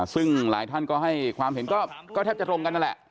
ซึ่งหลายท่านก็ให้ความเห็นก็แทบจะตรงกันนั่นแหละ